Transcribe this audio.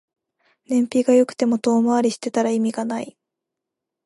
燃費が良くても遠回りしてたら意味ない